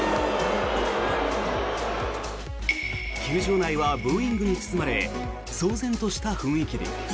球場内はブーイングに包まれ騒然とした雰囲気に。